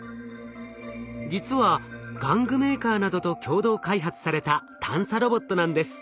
実は玩具メーカーなどと共同開発された探査ロボットなんです。